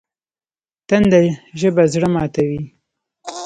تنده ژبه زړه ماتوي